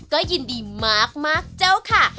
ก็ยินดีมากเจ้าค่ะ